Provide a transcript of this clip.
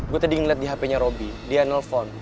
gue tadi ngeliat di hpnya robby deyan nelfon